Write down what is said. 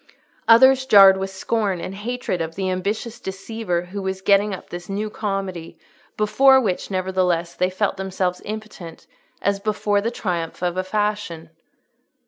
—others jarred with scorn and hatred of the ambitious deceiver who was getting up this new comedy, before which, nevertheless, they felt themselves impotent, as before the triumph of a fashion.